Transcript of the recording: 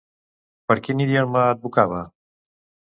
Per quin idioma advocava?